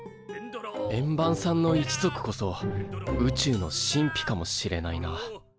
円盤さんの一族こそ宇宙の神秘かもしれないな。